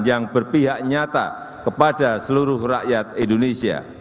yang berpihak nyata kepada seluruh rakyat indonesia